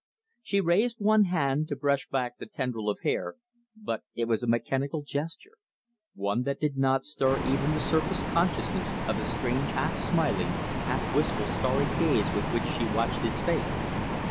She raised one hand to brush back the tendril of hair, but it was a mechanical gesture, one that did not stir even the surface consciousness of the strange half smiling, half wistful, starry gaze with which she watched his face.